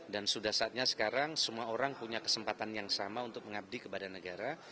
sudah saatnya sekarang semua orang punya kesempatan yang sama untuk mengabdi kepada negara